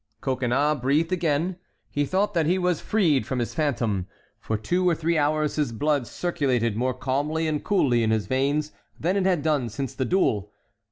Coconnas breathed again. He thought that he was freed from his phantom. For two or three hours his blood circulated more calmly and coolly in his veins than it had done since the duel.